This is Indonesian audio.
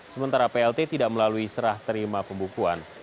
sementara plt tidak melalui serah terima pembukuan